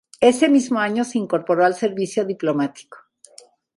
Ese mismo año se incorporó al servicio diplomático.